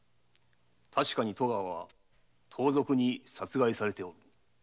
確かに戸川は盗賊に殺害されておる。